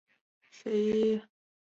教区位于马德里自治区东部。